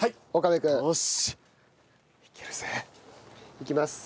いきます。